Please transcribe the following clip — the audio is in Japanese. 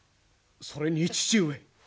それに父上。